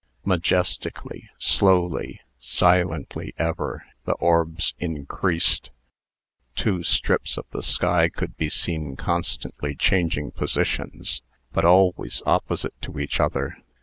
Majestically, slowly, silently ever, the orbs increased. Two strips of the sky could be seen constantly changing positions, but always opposite to each other.